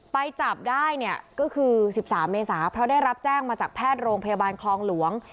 ไปจับได้เนี่ยก็คือ๑๓เมษาเพราะได้รับแจ้งมาจากแพทย์โรงพยาบาลคลองหลวง